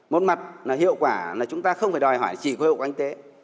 một mặt là hiệu quả là chúng ta không phải đòi hỏi chỉ của hiệu quả anh tế